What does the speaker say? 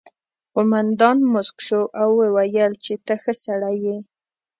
قومندان موسک شو او وویل چې ته ښه سړی یې